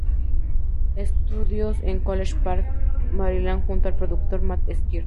Studios en College Park, Maryland, junto al productor Matt Squire.